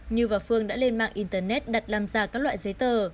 như và phương đã lên mạng internet đặt làm giả các loại giấy tờ